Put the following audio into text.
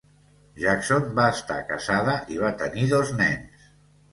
Jackson va estar casada i va tenir dos nens.